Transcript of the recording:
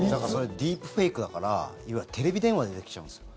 ディープフェイクだからいわゆるテレビ電話でできちゃうんですよ。